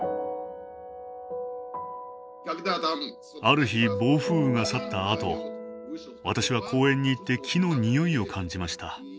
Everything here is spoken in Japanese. ある日暴風雨が去ったあと私は公園に行って木の匂いを感じました。